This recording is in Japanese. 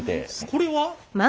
これは？